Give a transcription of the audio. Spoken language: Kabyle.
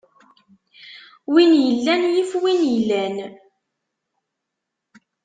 Win illan yif win ilan.